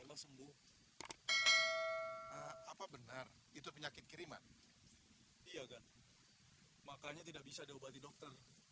apa benar itu penyakit kiriman makanya tidak bisa diobati dokter